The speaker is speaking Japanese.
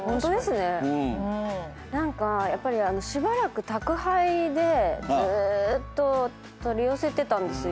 何かやっぱりしばらく宅配でずーっと取り寄せてたんですよ